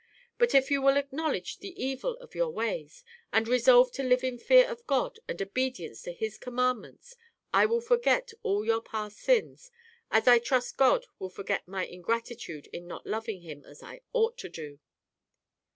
But if you will acknowledge the evil of your ways, and resolve to live in fear of God and obedience to His commandments, I will forget all your past sins, as I trust God will forget my ingratitude in not loving Him as I ought to do."